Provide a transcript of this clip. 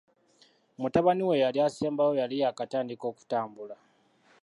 Mutabani we eyali assembayo yali yaakatandika okutambula.